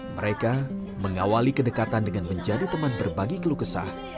mereka mengawali kedekatan dengan menjadi teman berbagi keluh kesah